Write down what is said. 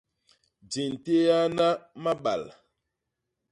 Di nteeana mabal.